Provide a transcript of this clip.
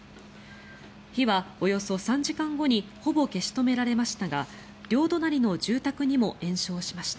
火はおよそ３時間後にほぼ消し止められましたが両隣の住宅にも延焼しました。